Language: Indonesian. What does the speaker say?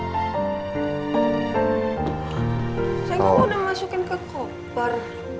saing kamu udah masukin ke koper